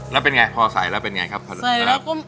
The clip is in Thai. แล้วเป็นไงพ่อใส่พอใส่แล้วเป็นยังไงครับ